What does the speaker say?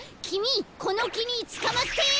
きみこのきにつかまって！